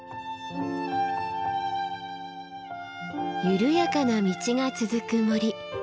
緩やかな道が続く森。